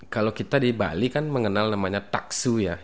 kalau kita di bali kan mengenal namanya taksu ya